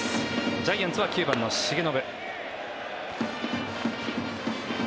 ジャイアンツは９番の重信。